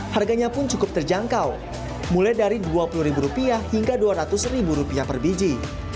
harganya pun cukup terjangkau mulai dari rp dua puluh hingga rp dua ratus rupiah per biji